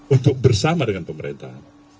untuk bersama dengan pemerintah